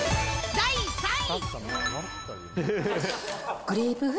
第３位。